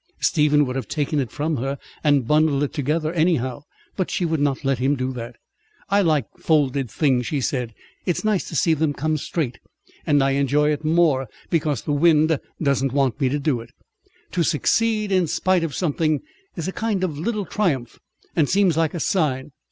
Stephen would have taken it from her and bundled it together anyhow, but she would not let him do that. "I like folded things," she said. "It's nice to see them come straight, and I enjoy it more because the wind doesn't want me to do it. To succeed in spite of something, is a kind of little triumph and seems like a sign.